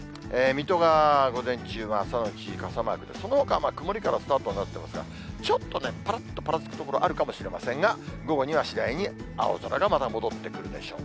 水戸が午前中は朝のうち３、４、傘マーク、そのほかは曇りからスタートになっていますが、ちょっとね、ぱらっとぱらつく所、あるかもしれませんが、午後には次第に青空がまた戻ってくるでしょう。